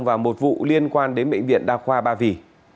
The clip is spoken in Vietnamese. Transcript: và một vụ liên quan đến bệnh viện đa khoa ba vì